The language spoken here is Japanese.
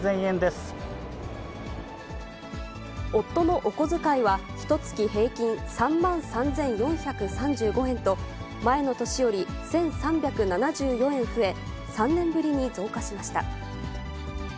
夫のお小遣いは、ひとつき平均３万３４３５円と、前の年より１３７４円増え、３年ぶりに増加しました。